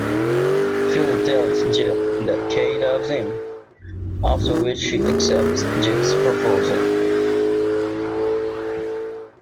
Phil tells Jeff that Kay loves him, after which she accepts Jeff's proposal.